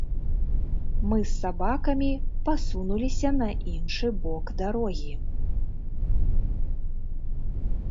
Мы з сабакамі пасунуліся на іншы бок дарогі.